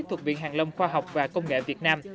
thuộc viện hàng lông khoa học và công nghệ việt nam